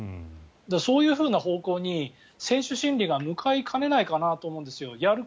そういうふうな方向に選手心理が向かいかねないかなと思うんですよ。